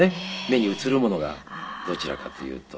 目に映るものがどちらかと言うと。